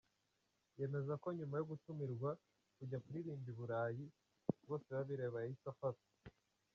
yemeza ko nyuma yo gutumirwa kujya kuririmba i Burayi Bosebabireba yahise afata.